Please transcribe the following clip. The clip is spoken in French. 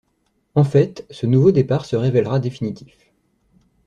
En fait, ce nouveau départ se révélera définitif.